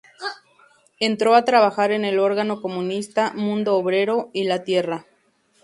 Entró a trabajar en el órgano comunista "Mundo Obrero", y "La Tierra".